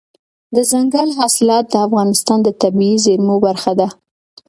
دځنګل حاصلات د افغانستان د طبیعي زیرمو برخه ده.